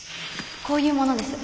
こういう者です。